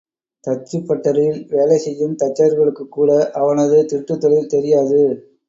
தச்சுப் பட்டறையில் வேலை செய்யும் தச்சர்களுக்குக்கூட அவனது திருட்டுத் தொழில் தெரியாது.